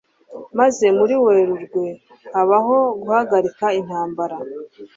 maze muri Werurwe habaho guhagarika intambara,